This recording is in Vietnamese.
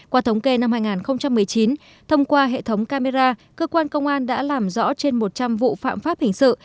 qua thống kê năm hai nghìn một mươi chín thông qua hệ thống camera cơ quan công an đã làm rõ trên một trăm linh vụ phạm pháp hình sự